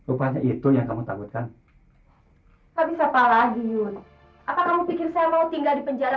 uh wuah itu yang kamu takutkan tragis apa lagi yun apa kamu pikir my long tinggal di penjara